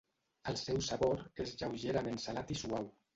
El seu sabor és lleugerament salat i suau.